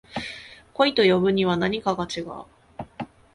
恋と呼ぶにはなにか違う